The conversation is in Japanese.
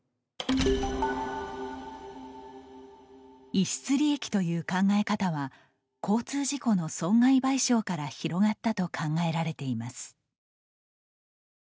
逸失利益という考え方は交通事故の損害賠償から広がったと考えられています。